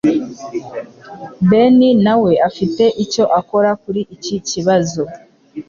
Ben nawe afite icyo akora kuri iki kibazo